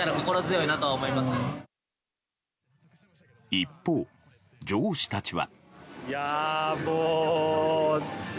一方、上司たちは。